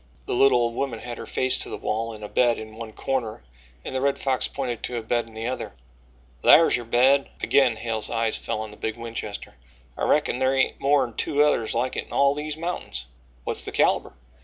The little old woman had her face to the wall in a bed in one corner and the Red Fox pointed to a bed in the other: "Thar's yo' bed." Again Hale's eyes fell on the big Winchester. "I reckon thar hain't more'n two others like it in all these mountains." "What's the calibre?"